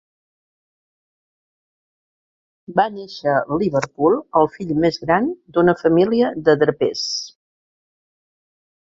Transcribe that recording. Va néixer a Liverpool, el fill més gran d'una família de drapers.